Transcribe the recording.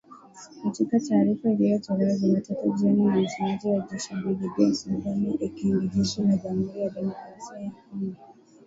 Katika taarifa iliyotolewa Jumatatu jioni na msemaji wa jeshi Brigedia Sylvain Ekenge jeshi la Jamuhuri ya Demokrasia ya Kongo